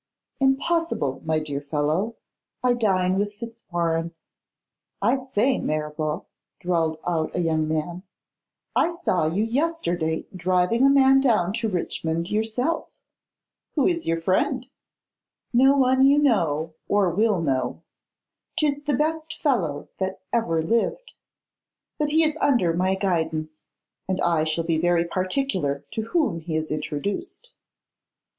'Impossible, my dear fellow; I dine with Fitz warrene.' 'I say, Mirabel,' drawled out a young man, 'I saw you yesterday driving a man down to Richmond yourself. Who is your friend?' 'No one you know, or will know. 'Tis the best fellow that ever lived; but he is under my guidance, and I shall be very particular to whom he is introduced.